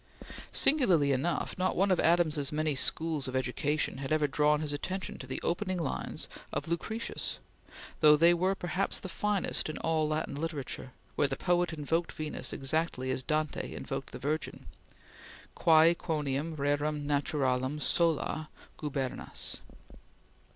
Singularly enough, not one of Adams's many schools of education had ever drawn his attention to the opening lines of Lucretius, though they were perhaps the finest in all Latin literature, where the poet invoked Venus exactly as Dante invoked the Virgin: "Quae quondam rerum naturam sola gubernas."